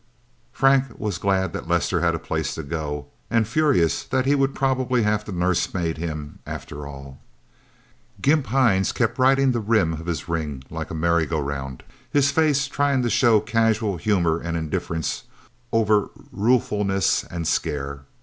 Frank was glad that Lester had a place to go and furious that he would probably have to nursemaid him, after all. Gimp Hines kept riding the rim of his ring like a merry go round, his face trying to show casual humor and indifference over ruefulness and scare.